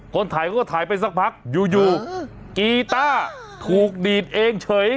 คนถ่ายเขาก็ถ่ายไปสักพักอยู่กีต้าถูกดีดเองเฉย